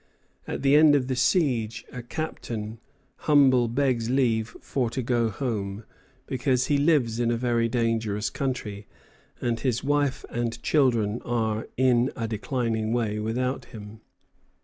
At the end of the siege a captain "humble begs leave for to go home" because he lives in a very dangerous country, and his wife and children are "in a declining way" without him.